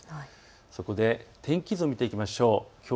そこで天気図を見ていきましょう。